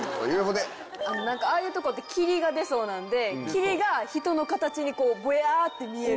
ああいうとこって霧が出そうなんで霧が人の形にこうボヤって見える。